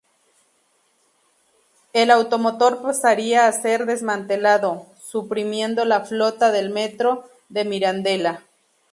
El automotor pasaría a ser desmantelado, suprimiendo la flota del Metro de Mirandela.